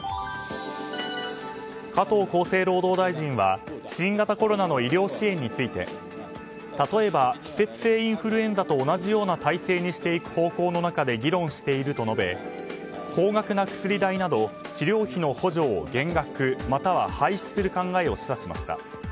加藤厚生労働大臣は新型コロナの医療支援について例えば、季節性インフルエンザと同じような体制にしていく方向の中で議論していると述べ高額な薬代など治療費の補助を減額、または廃止する考えを示唆しました。